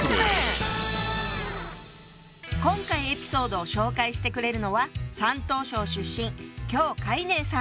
今回エピソードを紹介してくれるのは山東省出身姜海寧さん。